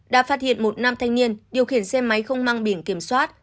đã phát hiện một nam thanh niên điều khiển xe máy không mang biển kiểm soát